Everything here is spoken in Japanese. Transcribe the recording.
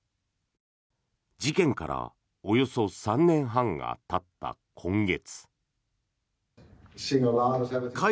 事件からおよそ３年半がたった今月。